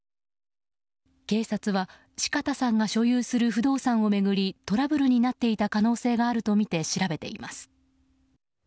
警察は、四方さんが所有する不動産を巡りトラブルになっていた可能性があるとみて調べています。